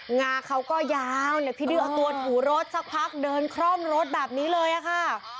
งาเขาก็ยาวเนี่ยพี่ดื้อเอาตัวถูรถสักพักเดินคร่อมรถแบบนี้เลยอะค่ะ